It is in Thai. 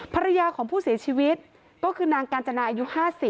ภรรยาของผู้เสียชีวิตก็คือนางกาญจนาอายุ๕๐